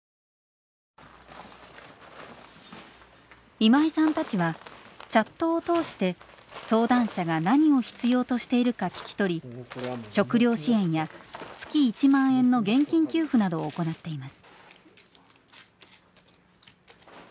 今井さんたちはチャットを通して相談者が何を必要としているか聞き取り食糧支援や月１万円の現金給付などを行っています。